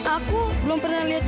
aku belum pernah lihat